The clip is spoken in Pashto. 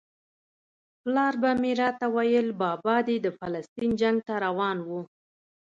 پلار به مې راته ویل بابا دې د فلسطین جنګ ته روان و.